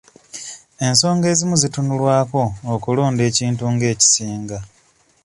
Ensonga ezimu zitunulwako okulonda ekintu ng'ekisinga.